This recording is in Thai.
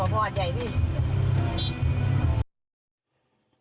ภูเขามาจากเรือไม่ได้